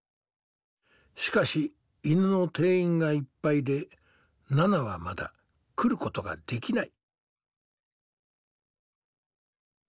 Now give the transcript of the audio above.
しかし犬の定員がいっぱいでナナはまだ来ることができない。